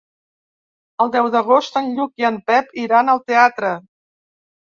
El deu d'agost en Lluc i en Pep iran al teatre.